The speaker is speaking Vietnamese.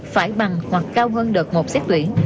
phải bằng hoặc cao hơn đợt một xét tuyển